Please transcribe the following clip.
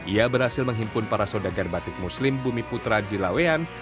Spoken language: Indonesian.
ia berhasil menghimpun para saudagar batik muslim bumi putra di laweyan